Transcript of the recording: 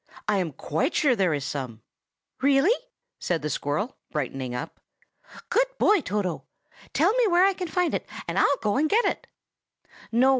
I am quite sure there is some." "Really?" said the squirrel, brightening up. "Good boy, Toto! Tell me where I can find it, and I'll go and get it." "No!"